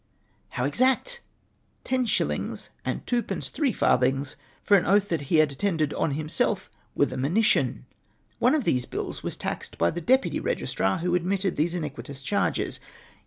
How exact ! ten shillings and two pence three farthings for an oath that he had attended on himself with a monition ! One of these bills was taxed by the deputy registrar, who admitted these iniquitous charges.